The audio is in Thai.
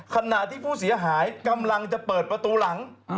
ขณะที่ผู้เสียหายกำลังจะเปิดประตูหลัง